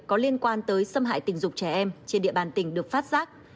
có liên quan tới xâm hại tình dục trẻ em trên địa bàn tỉnh được phát giác